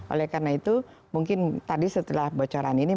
oleh karena itu mungkin tadi setelah bocoran ini